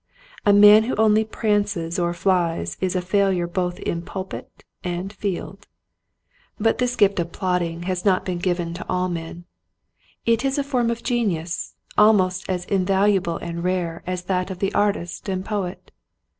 A man who only prances or flies is a failure both in pulpit and field. Eagles, Race horses and Plodders. 20 1 But this gift of plodding has not been given to all men. It is a form of genius, almost as invaluable and rare as that of the artist and poet.